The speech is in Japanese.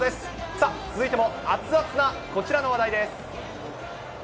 さあ、続いても熱々なこちらの話題です。